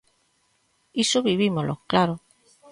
Iso vivímolo, claro.